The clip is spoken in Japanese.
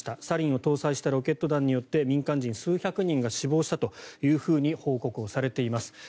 サリンを搭載したロケット弾によって民間人数百人が死亡したと報告されています。